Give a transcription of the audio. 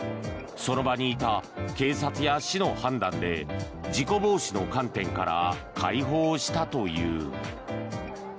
その場にいた警察や市の判断で事故防止の観点から開放したという。